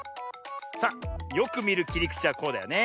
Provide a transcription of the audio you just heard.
さあよくみるきりくちはこうだよね。